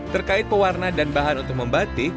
terkait pewarna dan bahan untuk membatik